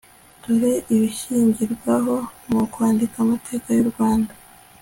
dore ibishingirwaho mu kwandika amateka y'u rwanda